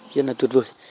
rất là tuyệt vời